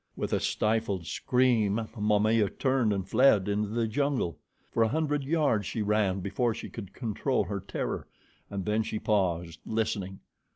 With a stifled scream, Momaya turned and fled into the jungle. For a hundred yards she ran before she could control her terror, and then she paused, listening.